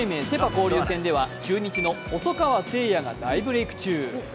交流戦では中日の細川成也が大ブレーク中。